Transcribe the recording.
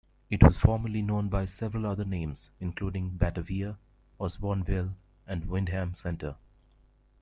It was formerly known by several other names, including "Batavia", "Osbornville", and "Windham Center".